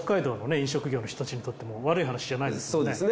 飲食業の人たちにとっても悪い話じゃないですよね。